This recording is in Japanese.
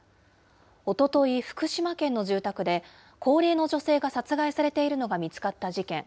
おととい、福島県の住宅で高齢の女性が殺害されているのが見つかった事件。